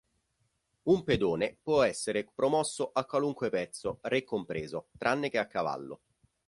Un pedone può essere promosso a qualunque pezzo, re compreso, tranne che a cavallo.